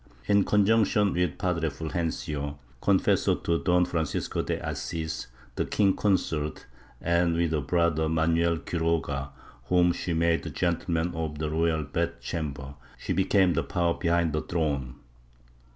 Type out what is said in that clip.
In conjunction with Padre Fulgencio, confessor to Don Francisco de Asis the king consort, and with her brother Manuel Quiroga, whom she made gentleman of the royal bed chamber, she became the power behind the throne.